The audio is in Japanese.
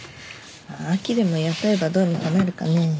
亜紀でも雇えばどうにかなるかねぇ。